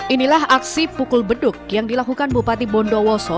inilah aksi pukul beduk yang dilakukan bupati bondowoso